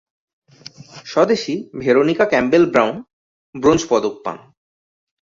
স্বদেশী Veronica Campbell Brown ব্রোঞ্জপদক পান।